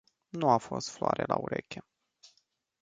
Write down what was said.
Nu a fost floare la ureche.